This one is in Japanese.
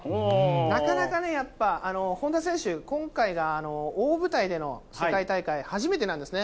なかなかね、やっぱ、本多選手、今回が大舞台での世界大会、初めてなんですね。